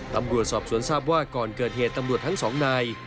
ตำรวจสอบสวนทราบว่าก่อนเกิดเหตุตำรวจทั้งสองนาย